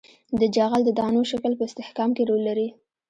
د جغل د دانو شکل په استحکام کې رول لري